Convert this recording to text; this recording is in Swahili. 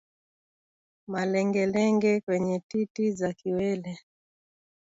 Malengelenge kwenye titi za kiwele